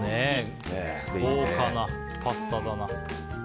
豪華なパスタだな。